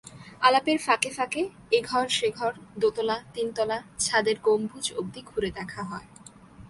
আলাপের ফাঁকে ফাঁকে এঘর, সেঘর, দোতলা, তিনতলা, ছাদের গম্বুজ অবধি ঘুরে দেখা হয়।